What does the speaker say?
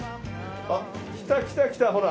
あっ来た来た来たほら。